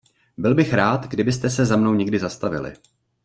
Bych byl rád, kdybyste se za mnou někdy zastavili.